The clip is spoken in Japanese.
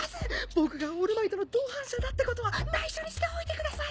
僕がオールマイトの同伴者だってことは内緒にしておいてください。